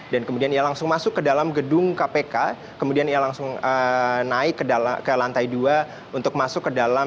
dan kemudian ia langsung masuk ke dalam gedung kpk kemudian ia langsung naik ke lantai dua untuk masuk ke dalam